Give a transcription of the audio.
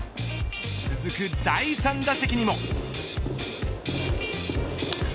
続く第３打席にも。